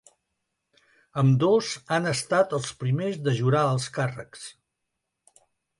Ambdós han estat els primers de jurar els càrrecs.